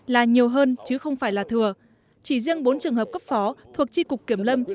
là nhiều hơn chứ không phải là thừa chỉ riêng bốn trường hợp cấp phó thuộc tri cục kiểm lâm